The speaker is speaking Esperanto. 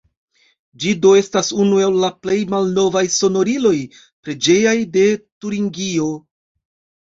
Ĝi do estas unu el la plej malnovaj sonoriloj preĝejaj de Turingio.